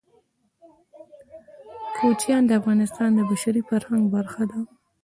کوچیان د افغانستان د بشري فرهنګ برخه ده.